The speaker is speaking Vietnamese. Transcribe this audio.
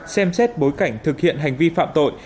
xem xét bối cảnh thực hiện hành vi phạm tội